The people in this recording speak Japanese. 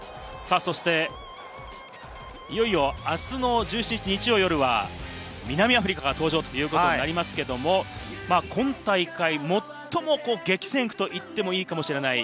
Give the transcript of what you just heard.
いよいよ、あすの１７日、日曜夜は南アフリカが登場ということになりますけれども、今大会、最も激戦区と言ってもいいかもしれない。